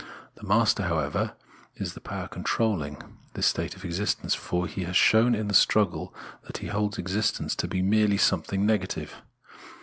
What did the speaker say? The master, however, is the power controlling this state of existence, for he has shown in the struggle that he holds existence to be merely something negative.